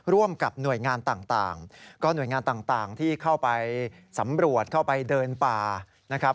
ร่วมกับหน่วยงานต่างก็หน่วยงานต่างที่เข้าไปสำรวจเข้าไปเดินป่านะครับ